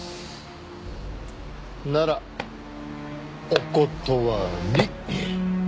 ならお断り！